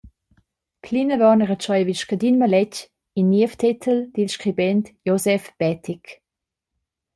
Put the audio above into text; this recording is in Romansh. Plinavon retscheivi scadin maletg in niev tetel dil scribent Joseph Bättig.